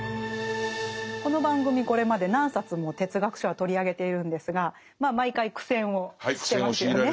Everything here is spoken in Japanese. この番組これまで何冊も哲学書は取り上げているんですがまあ毎回苦戦をしてますよね。